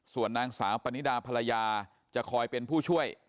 ส่วนนางสาวปนิดาภรรยาจะคอยเป็นผู้ช่วย